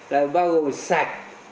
là bao gồm sạch